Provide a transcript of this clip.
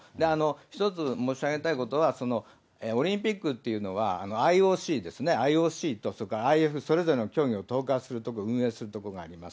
一つ、申し上げたいことは、オリンピックっていうのは、ＩＯＣですね、ＩＯＣとそれからＡＩＦ、競技を統括する、運営するところがあります。